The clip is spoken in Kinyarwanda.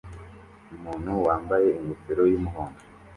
Umuntu wambaye ingofero y'umuhondo